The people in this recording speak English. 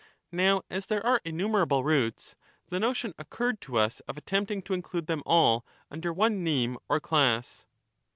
Now as there general are innumerable roots, the notion occurred to us of attempting terms for ^^ include them all under one name or class.